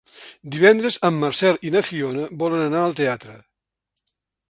Divendres en Marcel i na Fiona volen anar al teatre.